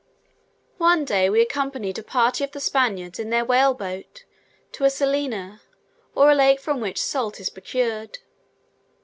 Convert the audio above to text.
One day we accompanied a party of the Spaniards in their whale boat to a salina, or lake from which salt is procured.